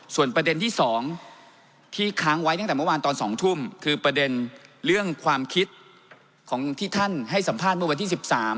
ส่วนประเด็นที่๒ที่ค้างไว้ตั้งแต่เมื่อวานตอน๒ทุ่มคือประเด็นเรื่องความคิดของที่ท่านให้สัมภาษณ์เมื่อวันที่๑๓